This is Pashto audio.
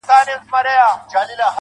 • هلته د ژوند تر آخري سرحده.